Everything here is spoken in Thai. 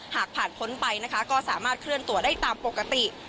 หากผ่านพ้นไปนะคะก็สามารถเคลื่อนตัวได้ตามปกติ